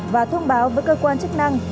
và thông báo với cơ quan chức năng